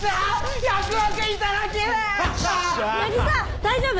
大丈夫？